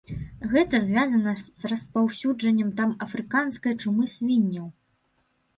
Гэта звязана з распаўсюджаннем там афрыканскай чумы свінняў.